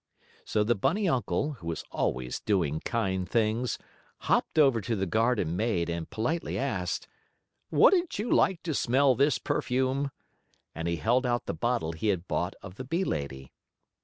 So the bunny uncle, who was always doing kind things, hopped over to the garden maid, and politely asked: "Wouldn't you like to smell this perfume?" and he held out the bottle he had bought of the bee lady.